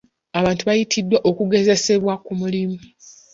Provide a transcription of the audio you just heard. Abantu baayitiddwa okugezesebwa ku mulimu.